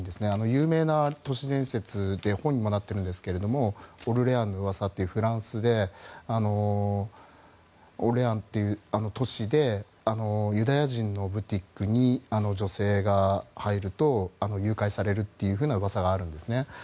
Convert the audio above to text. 有名な都市伝説で本にもなっているんですがオルレアンの噂というフランスでオルレアンという都市でユダヤ人のブティックに女性が入ると誘拐されるというような噂があるんですね。